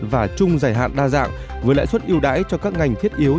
và chung dài hạn đa dạng với lãi suất ưu đãi cho các ngành thiết yếu